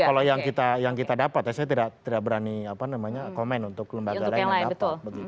kalau yang kita dapat ya saya tidak berani komen untuk lembaga lain yang dapat